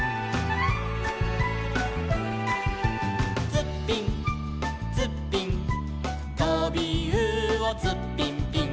「ツッピンツッピン」「とびうおツッピンピン」